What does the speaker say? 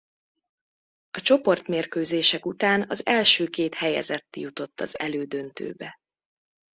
A csoportmérkőzések után az első két helyezett jutott az elődöntőbe.